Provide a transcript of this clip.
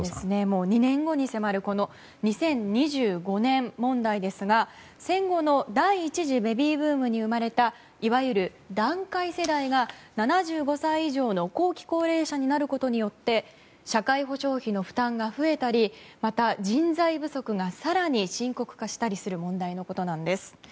２年後に迫る２０２５年問題ですが戦後の第１次ベビーブームに生まれたいわゆる団塊世代が７５歳以上の後期高齢者になることによって社会保障費の負担が増えたり人材不足が更に深刻化したりする問題のことなんです。